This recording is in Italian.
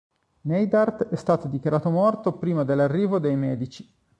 Neidhart è stato dichiarato morto prima dell’arrivo dei medici.